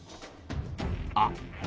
あっ！